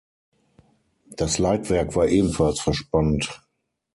Das Leitwerk war ebenfalls verspannt.